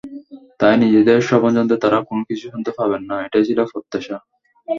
তাই নিজেদের শ্রবণযন্ত্রে তাঁরা কোনো কিছু শুনতে পাবেন না, এটাই ছিল প্রত্যাশা।